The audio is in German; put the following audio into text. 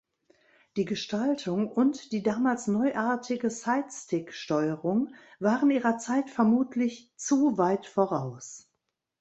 Die Gestaltung und die damals neuartige Sidestick-Steuerung waren ihrer Zeit vermutlich „zu weit“ voraus.